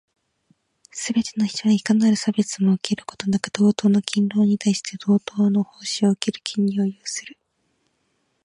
すべて人は、いかなる差別をも受けることなく、同等の勤労に対し、同等の報酬を受ける権利を有する。